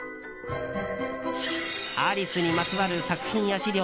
「アリス」にまつわる作品や資料